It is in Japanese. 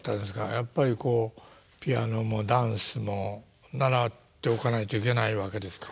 やっぱりこうピアノもダンスも習っておかないといけないわけですか？